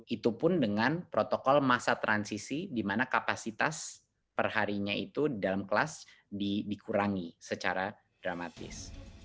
itu pun dengan protokol masa transisi di mana kapasitas perharinya itu dalam kelas dikurangi secara dramatis